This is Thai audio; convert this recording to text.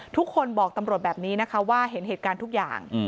ทุกคนบอกตำรวจแบบนี้นะคะว่าเห็นเหตุการณ์ทุกอย่าง